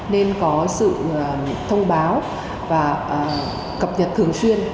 nên có sự thông báo và cập nhật thường xuyên